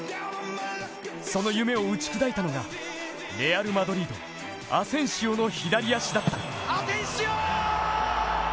その夢を打ち砕いたのがレアル・マドリードアセンシオの左足だった。